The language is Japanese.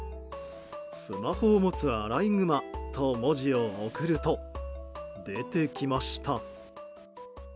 「スマホを持つアライグマ」と文字を送ると出てきました。